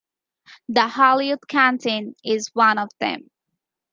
The Hollywood Canteen is one of them.